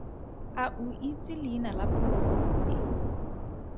A o itse leina la phologolo e?